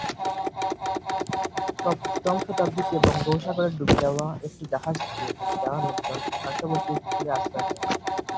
সপ্তম শতাব্দীতে বঙ্গোপসাগরে ডুবে যাওয়া একটি জাহাজ থেকে বেঁচে যাওয়া লোকজন পার্শ্ববর্তী উপকূলে আশ্রয় নেন।